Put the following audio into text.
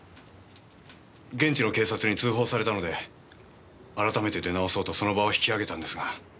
現地の警察に通報されたので改めて出直そうとその場を引き揚げたんですが。